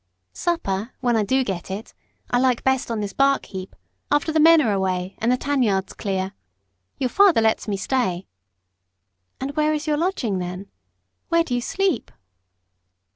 Supper, when I do get it, I like best on this bark heap, after the men are away, and the tan yard's clear. Your father lets me stay." "And where is your lodging, then? Where do you sleep?"